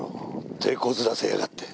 てこずらせやがって。